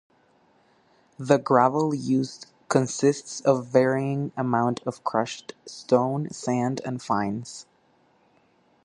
The gravel used consists of varying amount of crushed stone, sand, and "fines".